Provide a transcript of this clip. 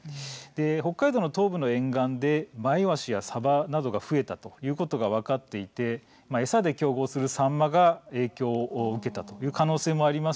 北海道東部の沿岸でマイワシやサバなどが増えたということが分かっていて餌で競合するサンマが影響を受けたという可能性もあります